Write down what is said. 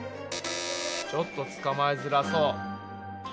ちょっと捕まえづらそう。